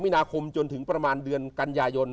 แล้ว๑๒มินาคมจนถึงประมาณเดือนกัญญาณยนต์